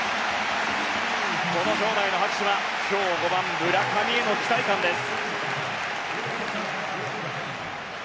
この場内の拍手は今日５番、村上への期待感です。